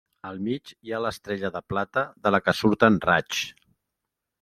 Al mig hi ha l'Estrella de Plata, de la que surten raigs.